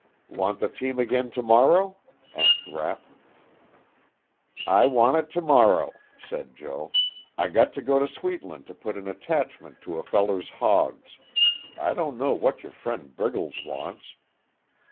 "Want the team again to morrow?" asked Rapp. "I want it to morrow," said Joe. "I got to go to Sweetland to put an attachment on to a feller's hogs. I don't know what your friend Briggles wants."